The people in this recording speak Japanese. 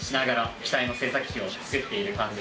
機体の製作費を作っている感じです。